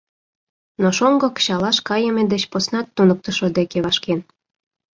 Но шоҥго кычалаш кайыме деч поснат туныктышо деке вашкен.